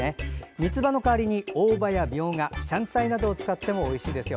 みつばの代わりに大葉やみょうがシャンツァイなどを使ってもおいしいですよ。